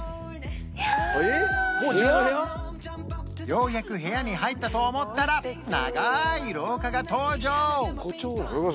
ようやく部屋に入ったと思ったら長い廊下が登場！